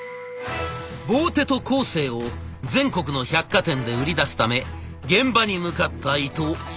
ボーテ・ド・コーセーを全国の百貨店で売り出すため現場に向かった伊藤。